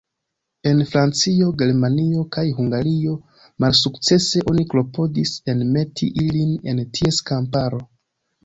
En Francio, Germanio, kaj Hungario malsukcese oni klopodis enmeti ilin en ties kamparo.